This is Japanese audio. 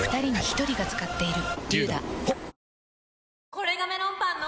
これがメロンパンの！